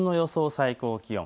最高気温。